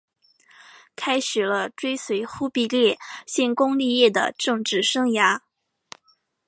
开始了追随忽必烈建功立业的政治生涯。